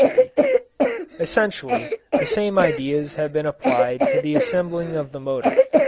Street. Essentially the same ideas have been applied to the assembling of the motor.